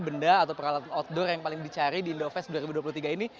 benda atau peralatan outdoor yang paling dicari di indofest dua ribu dua puluh tiga ini